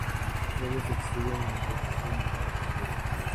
Sus obras se exhiben en los museos de diferentes ciudades.